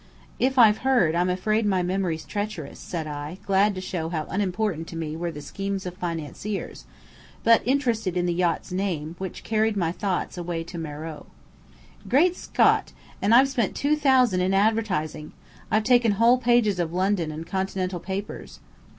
"If I've heard, I'm afraid my memory's treacherous," said I, glad to show how unimportant to me were the schemes of financiers, but interested in the yacht's name, which carried my thoughts away to Meröe. "Great Scout! And I've spent two thousand in advertising! I've taken whole pages of London and Continental papers!"